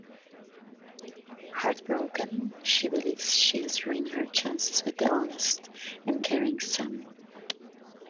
Heartbroken, she believes she has ruined her chances with the honest and caring Sam.